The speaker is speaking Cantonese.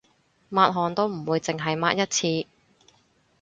抹汗都唔會淨係抹一次